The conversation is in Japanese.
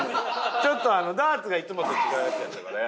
ちょっとダーツがいつもと違うやつやったからや。